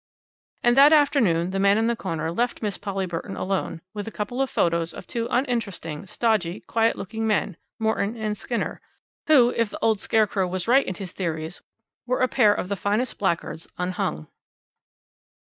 And that afternoon the man in the corner left Miss Polly Burton alone with a couple of photos of two uninteresting, stodgy, quiet looking men Morton and Skinner who, if the old scarecrow was right in his theories, were a pair of the finest blackguards unhung.